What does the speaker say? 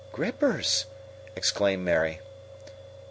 "Grippers!" exclaimed Mary.